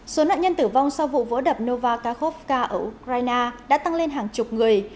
số nạn nhân tử vong sau vụ vỡ đập nova kakhovca ở ukraine đã tăng lên hàng chục người